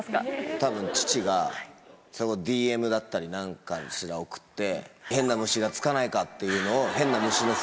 多分父がＤＭだったり何かしら送って変な虫がつかないかっていうのを。